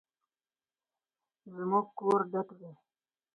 زموږ کور ډک دی